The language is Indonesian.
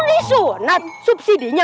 mau disonat subsidi nya